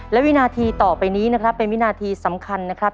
และวินาทีต่อไปนี้นะครับเป็นวินาทีสำคัญนะครับ